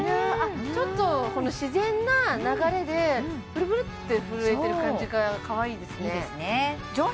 ちょっとこの自然な流れでぷるぷるって震えてる感じがかわいいですねいいですね